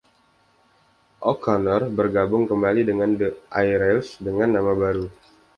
O'Connor bergabung kembali dengan The I-Rails dengan nama baru.